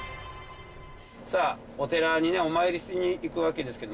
さあお寺にお参りしに行くわけですけど。